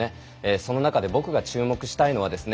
その中で僕が注目したいのはですね